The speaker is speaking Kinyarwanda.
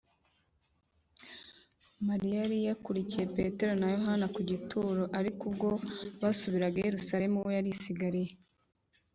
mariya yari yakurikiye petero na yohana ku gituro; ariko ubwo basubiraga i yerusalemu, we yarisigariye